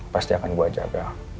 pasti akan gue jaga